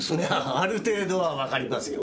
ある程度はわかりますよ。